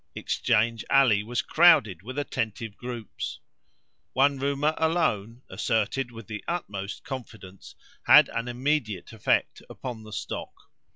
Exchange Alley was crowded with attentive groups. One rumour alone, asserted with the utmost confidence, had an immediate effect upon the stock.